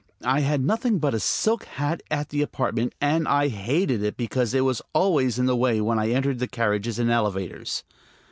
I had nothing but a silk hat at the apartment, and I hated it because it was always in the way when I entered carriages and elevators.